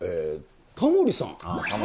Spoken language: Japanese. タモリさん。